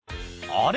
あれ？